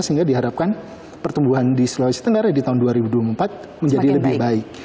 sehingga diharapkan pertumbuhan di sulawesi tengah di tahun dua ribu dua puluh empat menjadi lebih baik